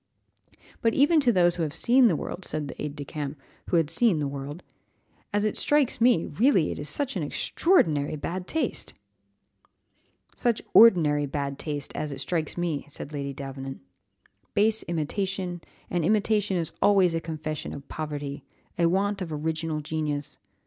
"But even to those who have seen the world," said the aide de camp, who had seen the world, "as it strikes me, really it is such extraordinary bad taste!" "Such ordinary bad taste! as it strikes me," said Lady Davenant; "base imitation, and imitation is always a confession of poverty, a want of original genius.